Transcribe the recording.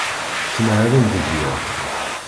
Ttmahalen deg yiḍ.